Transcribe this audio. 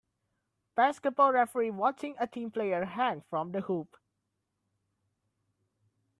Basketball referee watching a team player hang from the hoop.